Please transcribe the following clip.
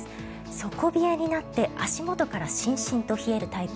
底冷えになって、足元からしんしんと冷えるタイプ。